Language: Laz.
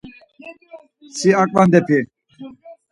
Si aǩvandepi?